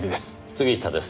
杉下です